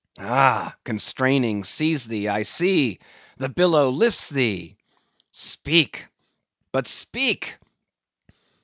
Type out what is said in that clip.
Ah! constrainings seize thee; I see! the billow lifts thee! Speak, but speak!